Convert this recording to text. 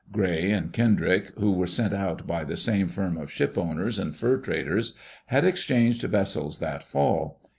Gray and Kendrick, who were sent out by the same firm of shipowners and fur traders, had exchanged vessels that fall.